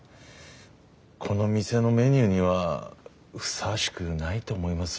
この店のメニューにはふさわしくないと思います。